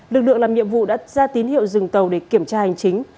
lực lượng làm nhiệm vụ đã ra tín hiệu dừng tàu để kiểm tra hành chính